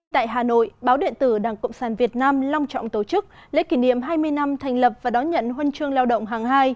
tại hà nội báo điện tử đảng cộng sản việt nam long trọng tổ chức lễ kỷ niệm hai mươi năm thành lập và đón nhận huân chương lao động hàng hai